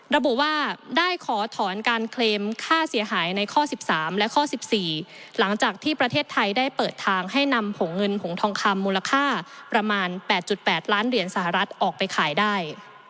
ระบุว่าได้ขอถอนการเคลมค่าเสียหายในข้อ๑๓และข้อ๑๔หลังจากที่ประเทศไทยได้เปิดทางให้นำผงเงินผงทองคำมูลค่าประมาณ๘๘ล้านเหรียญสหรัฐออกไปขายได้